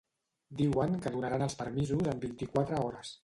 Diuen que donaran els permisos en vint-i-quatre hores.